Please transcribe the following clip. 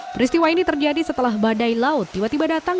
peristiwa ini terjadi setelah badai laut tiba tiba datang